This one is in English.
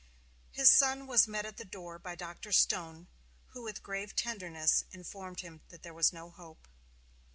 His son was met at the door by Dr. Stone, who with grave tenderness informed him that there was no hope.